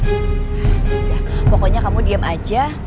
udah pokoknya kamu diem aja